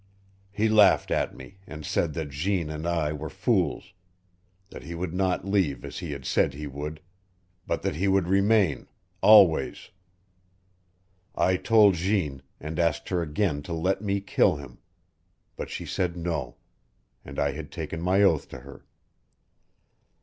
He laughed at me, and said that Jeanne and I were fools that he would not leave as he had said he would but that he would remain always. I told Jeanne, and asked her again to let me kill him. But she said no and I had taken my oath to her.